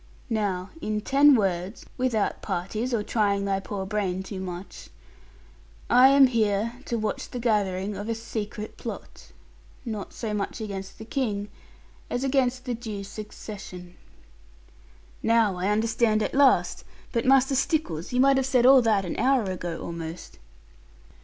Now, in ten words (without parties, or trying thy poor brain too much), I am here to watch the gathering of a secret plot, not so much against the King as against the due succession.' 'Now I understand at last. But, Master Stickles, you might have said all that an hour ago almost.'